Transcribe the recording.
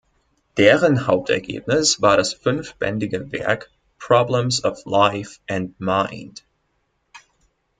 Deren Hauptergebnis war das fünfbändige Werk "Problems of Life and Mind".